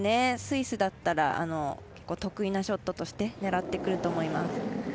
スイスだったら得意なショットとして狙ってくると思います。